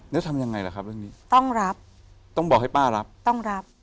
แล้วทำยังไงล่ะครับเรื่องนี้ต้องรับต้องบอกให้ป้ารับต้องรับ